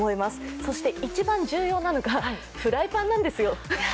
そして一番重要なのが、フライパンなんですよ。